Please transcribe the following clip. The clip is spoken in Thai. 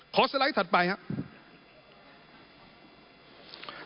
สไลด์ถัดไปครับ